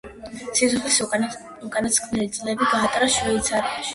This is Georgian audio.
სიცოცხლის უკანასკნელი წლები გაატარა შვეიცარიაში.